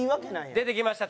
出てきました。